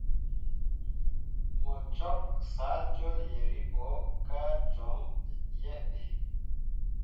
Mu cwak saa jol yeribo ka joŋ yehe.